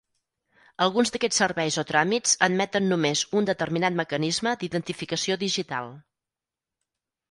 Alguns d'aquests serveis o tràmits admeten només un determinat mecanisme d'identificació digital.